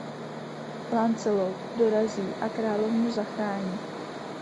Lancelot dorazí a královnu zachrání.